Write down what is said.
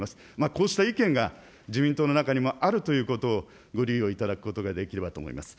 こうした意見が自民党の中にもあるということをご留意をいただくことができればと思います。